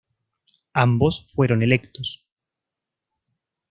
Ambos fueron electos.